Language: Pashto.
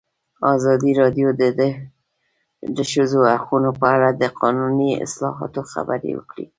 ازادي راډیو د د ښځو حقونه په اړه د قانوني اصلاحاتو خبر ورکړی.